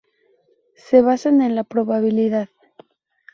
Se basan en la probabilidad.